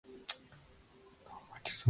Fue concejal del Ayuntamiento de Totana.